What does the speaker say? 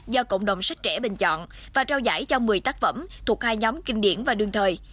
do cộng đồng sách trẻ bình chọn và trao giải cho một mươi tác phẩm thuộc hai nhóm kinh điển và đương thời